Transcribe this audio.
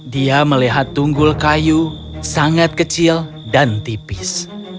dia melihat tunggul kayu sangat kecil dan tipis